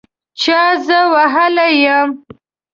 چا زه وهلي یم